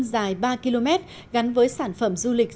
dài ba km gắn với sản phẩm du lịch